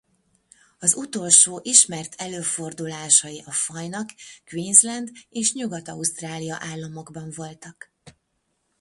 Az utolsó ismert előfordulásai a fajnak Queensland és Nyugat-Ausztrália államokban voltak.